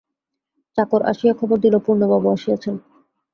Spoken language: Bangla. চাকর আসিয়া খবর দিল, পূর্ণবাবু আসিয়াছেন।